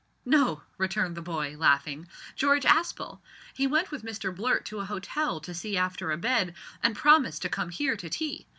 "No," returned the boy, laughing, "George Aspel. He went with Mr Blurt to a hotel to see after a bed, and promised to come here to tea.